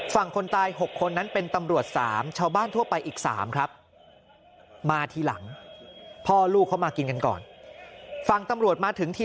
ฝั่งคนตาย๖คนนั้นเป็นตำรวจ๓